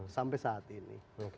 sampai saat ini